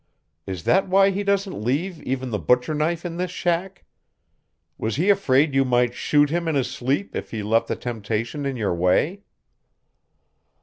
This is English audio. "Is that why he doesn't leave even the butcher knife in this shack? Was he afraid you might shoot him in his sleep if he left the temptation in your way?"